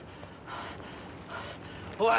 おい。